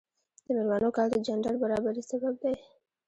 د میرمنو کار د جنډر برابري سبب دی.